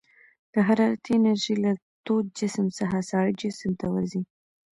د حرارتي انرژي له تود جسم څخه ساړه جسم ته ورځي.